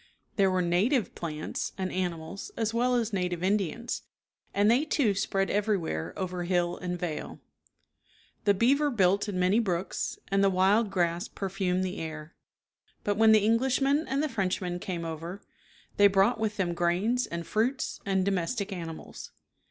There were native plants and animals as well as native Indians, and they, too, spread everywhere over hill and vale. The beaver built in many brooks, and the wild grass perfumed the air. But when the Eng lishmen and the Frenchmen came over, they brought with them grains and fruits and domestic animals.